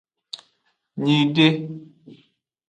Nyide.